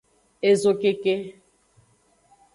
Ezokeke.